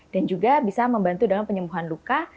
dan juga bisa membantu dalam penyembuhan luka